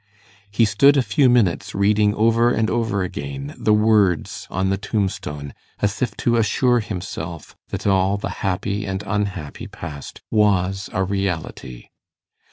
He stood a few minutes reading over and over again the words on the tombstone, as if to assure himself that all the happy and unhappy past was a reality.